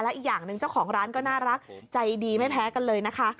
อีกอย่างหนึ่งเจ้าของร้านก็น่ารักใจดีไม่แพ้กันเลยนะคะ